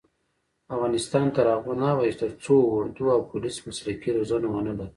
افغانستان تر هغو نه ابادیږي، ترڅو اردو او پولیس مسلکي روزنه ونه لري.